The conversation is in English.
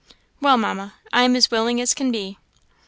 "Well, Mamma, I am as willing as can be."